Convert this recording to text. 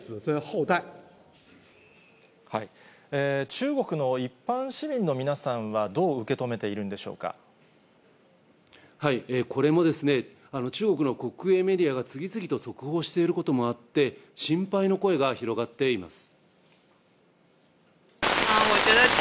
中国の一般市民の皆さんはどこれも、中国の国営メディアが次々と速報していることもあって、心配の声が広がっています。